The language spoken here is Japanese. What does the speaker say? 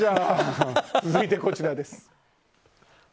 続いてこちらです。